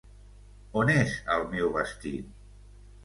On és el meu vestit?